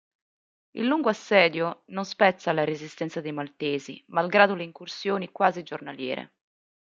Il lungo assedio non spezza la resistenza dei maltesi malgrado le incursioni quasi giornaliere.